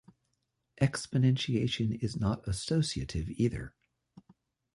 Exponentiation is not associative either.